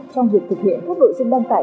trong việc thực hiện các nội dung đăng tải